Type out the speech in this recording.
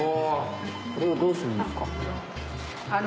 これをどうするんですか？